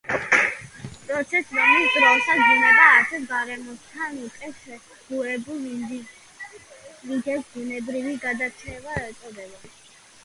პროცესს, რომლის დროსაც, ბუნება არჩევს გარემოსთან უკეთ შეგუებულ ინდივიდებს, ბუნებრივი გადარჩევა ეწოდება.